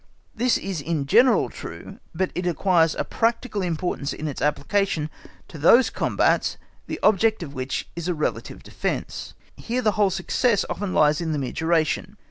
This is in general true, but it acquires a practical importance in its application to those combats, the object of which is a relative defence. Here the whole success often lies in the mere duration.